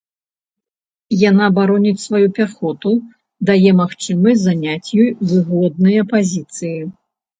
Яна бароніць сваю пяхоту, дае магчымасць заняць ёй выгодныя пазіцыі.